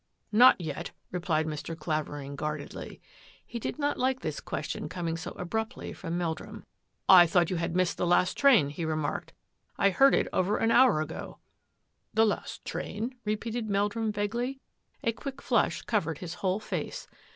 " Not yet," replied Mr. Clavering guarded He did not like this question coming so abrup from Meldrum. " I thought you had missed \ last train," he remarked. " I heard it over hour ago." " The last train ?" repeated Meldrum vague A quick flush covered his whole face.